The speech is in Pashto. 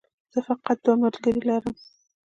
زه فقط دوه ملګري لرم